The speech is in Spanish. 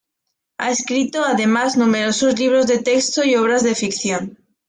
Ha escrito, además, numerosos libros de texto y obras de ficción.